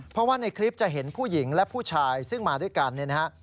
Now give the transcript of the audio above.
เพราะว่าในคลิปจะเห็นผู้หญิงและผู้ชายซึ่งมาด้วยกันเนี่ยนะฮะ